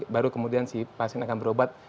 baru kemudian si pasien akan berobat